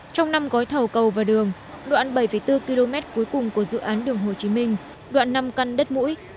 trong năm gói thầu cầu và đường đoạn bảy bốn km cuối cùng của dự án đường hồ chí minh đoạn năm căn đất mũi